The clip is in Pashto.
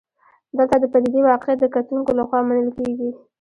دلته د پدیدې واقعیت د کتونکو لخوا منل کېږي.